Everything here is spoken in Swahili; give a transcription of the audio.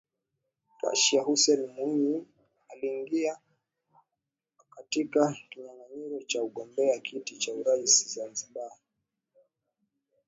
Rais Hussein Mwinyi aliingia katika kinyanganyiro Cha kugombea kiti cha urais wa Zanzibar